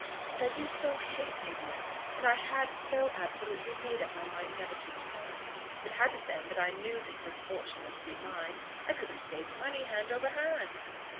But I do so hate India, and I had so absolutely made up my mind never to return. If it hadn't been that I knew that this fortune was to be mine, I could have saved money, hand over hand."